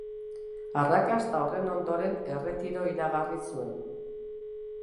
Arrakasta horren ondoren, erretiro iragarri zuen.